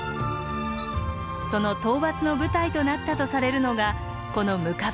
その討伐の舞台となったとされるのがこの行縢山。